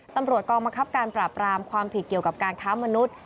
ตำรวจกองบังคับการปราบรามความผิดเกี่ยวกับการค้ามนุษย์